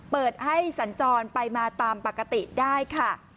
เปิดให้สัญจรไปมาตามปกติได้ค่ะ